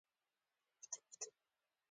هغه ولي محمد نومېده.